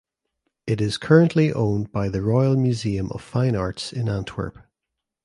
It is currently owned by the Royal Museum of Fine Arts in Antwerp.